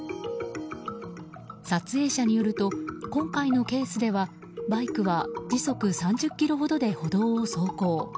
撮影者によると今回のケースではバイクは時速３０キロほどで歩道を走行。